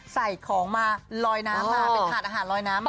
ใส่ของมารอยน้ำมา